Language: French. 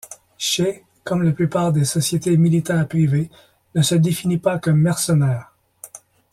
Xe, comme la plupart des sociétés militaires privées, ne se définit pas comme mercenaire.